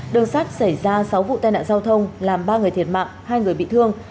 đường sắt xảy ra sáu vụ tai nạn giao thông làm ba người thiệt mạng hai người bị thương